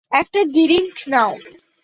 একটা ড্রিংক নাও।